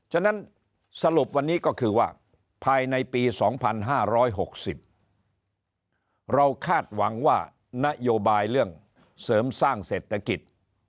ฉะนั้นสรุปวันนี้ก็คือว่าภายในปี๒๕๖๐เราคาดหวังว่านโยบายเรื่องเสริมสร้างเศรษฐกิจ